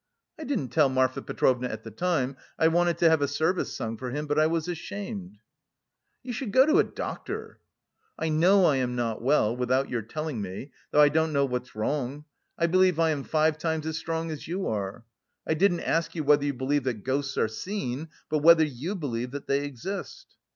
I didn't tell Marfa Petrovna at the time. I wanted to have a service sung for him, but I was ashamed." "You should go to a doctor." "I know I am not well, without your telling me, though I don't know what's wrong; I believe I am five times as strong as you are. I didn't ask you whether you believe that ghosts are seen, but whether you believe that they exist."